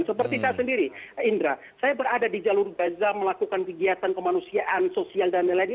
seperti saya sendiri indra saya berada di jalur gaza melakukan kegiatan kemanusiaan sosial dan lain lain